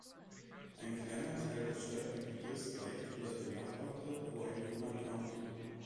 Ein kleiner Teil des Stadtgebietes reicht in das benachbarte Winona County.